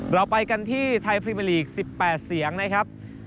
เราไปกันที่ไทยพรีเมอร์ลีก๑๘เสียงนะครับ